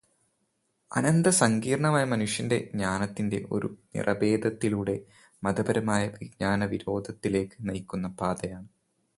അനന്ത സങ്കീർണമായ മനുഷ്യന്റെ ജ്ഞാനത്തിന്റെ ഒരു നിറഭേദത്തിലൂടെ മതപരമായ വിജ്ഞാനവിരോധത്തിലേക്ക് നയിക്കുന്ന പാതയാണ്.